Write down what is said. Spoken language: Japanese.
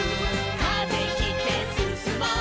「風切ってすすもう」